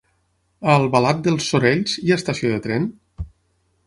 A Albalat dels Sorells hi ha estació de tren?